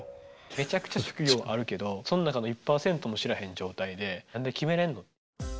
めちゃくちゃ職業あるけどその中の１％も知らへん状態で何で決めれんの？